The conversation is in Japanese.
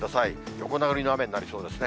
横殴りの雨になりそうですね。